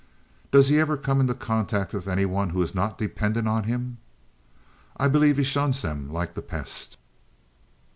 "Does he ever come into contact with any one who is not dependent on him? I believe he shuns them like the pest."